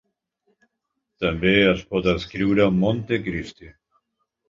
També es pot escriure Montecristi.